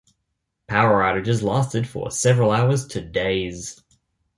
Power outages lasted for several hours to days.